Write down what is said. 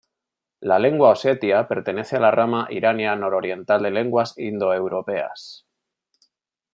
La lengua osetia pertenece a la rama irania nororiental de lenguas indoeuropeas.